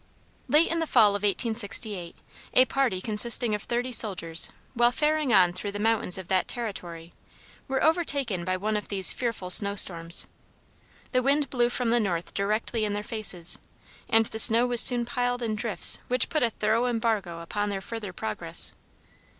Late in the fall of 1868, a party consisting of thirty soldiers, while faring on through the mountains of that territory, were overtaken by one of these fearful snowstorms. The wind blew from the north directly in their faces, and the snow was soon piled in drifts which put a thorough embargo upon their further progress.